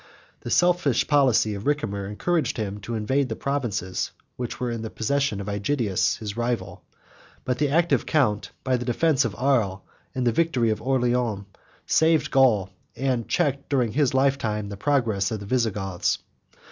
The selfish policy of Ricimer encouraged him to invade the provinces which were in the possession of Aegidius, his rival; but the active count, by the defence of Arles, and the victory of Orleans, saved Gaul, and checked, during his lifetime, the progress of the Visigoths.